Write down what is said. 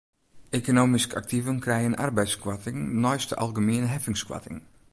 Ekonomysk aktiven krije in arbeidskoarting neist de algemiene heffingskoarting.